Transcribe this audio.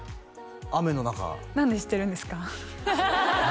雨の中何で知ってるんですか？